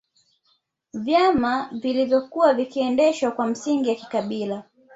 Vyama vilivyokuwa vikiendeshwa kwa misingi ya kikabila